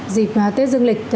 dịp tết dương lê